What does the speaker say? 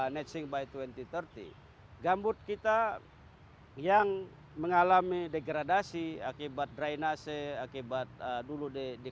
net sing by dua puluh tiga puluh gambut kita yang mengalami degradasi akibat drainase akibat dulu di